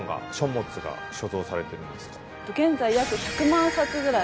現在約１００万冊ぐらい。